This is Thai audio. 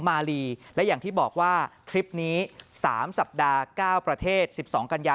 มาลีและอย่างที่บอกว่าคลิปนี้๓สัปดาห์๙ประเทศ๑๒กันยา